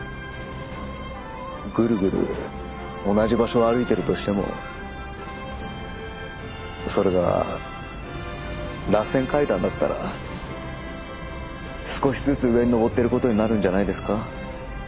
ぐるぐる同じ場所を歩いているとしてもそれがらせん階段だったら少しずつ上に上ってることになるんじゃないですか。